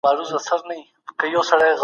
څه شی د هېواد د اقتصادي پرمختګ مخه نیسي؟